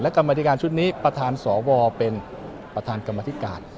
กรรมธิการชุดนี้ประธานสวเป็นประธานกรรมธิการ